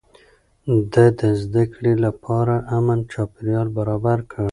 ده د زده کړې لپاره امن چاپېريال برابر کړ.